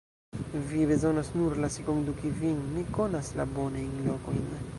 Vi bezonos nur lasi konduki vin; mi konas la bonajn lokojn.